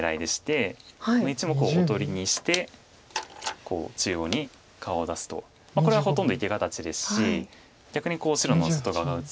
この１目をおとりにしてこう中央に顔を出すとこれはほとんど生き形ですし逆に白の外側が薄くなってしまうので。